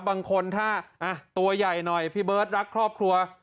บางคนถ้าตัวใหญ่หน่อยพี่เบิร์ตรักครอบครัว